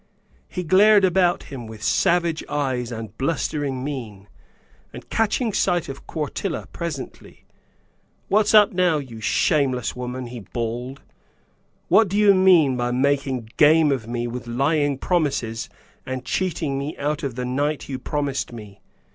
He glared about him with savage eyes and blustering mien, and, catching sight of Quartilla, presently, "What's up now, you shameless woman," he bawled; "what do you mean by making game of me with lying promises, and cheating me out of the night you promised me?